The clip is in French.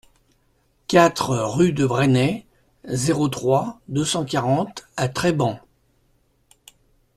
quatre rue de Bresnay, zéro trois, deux cent quarante à Treban